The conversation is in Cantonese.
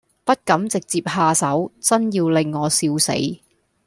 不敢直捷下手，眞要令我笑死。